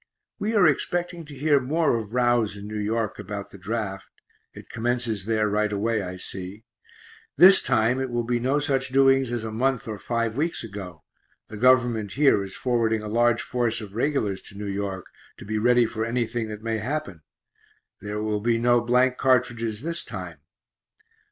We are expecting to hear of more rows in New York about the draft; it commences there right away I see this time it will be no such doings as a month or five weeks ago; the Gov't here is forwarding a large force of regulars to New York to be ready for anything that may happen there will be no blank cartridges this time.